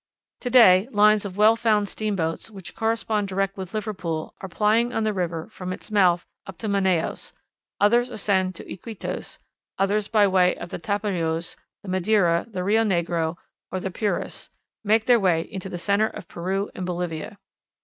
To day lines of well found steamboats, which correspond direct with Liverpool, are plying on the river from its mouth up to Manaos; others ascend to Iquitos; others by way of the Tapajoz, the Madeira, the Rio Negro, or the Purus, make their way into the center of Peru and Bolivia.